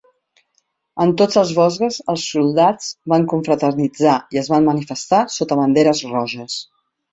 En tots els Vosges els soldats van confraternitzar i es van manifestar sota banderes roges.